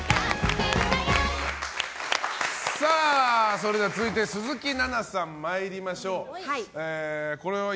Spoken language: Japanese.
それでは、続いて鈴木奈々さん参りましょう。